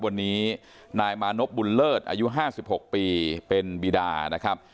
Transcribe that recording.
วันนี้นายมานพบุญเลิศอายุ๕๖ปีเป็นบีดานะครับ